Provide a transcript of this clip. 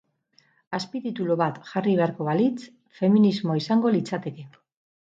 Azpititulu bat jarri beharko baliz, feminismoa izango litzateke.